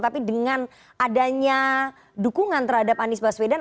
tapi dengan adanya dukungan terhadap anies baswedan